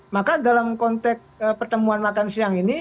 maka dalam konteks pertemuan makan siang ini